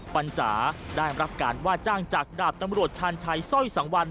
ปัญจ๋าได้รับการว่าจ้างจากดาบตำรวจชาญชัยสร้อยสังวัน